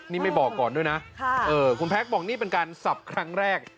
นี่ไม่บอกก่อนด้วยนะคุณแพ็คบอกนี่เป็นการสับครั้งแรก